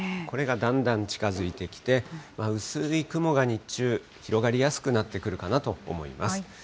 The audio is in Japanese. これがだんだん近づいてきて、薄い雲が日中、広がりやすくなってくるかなと思います。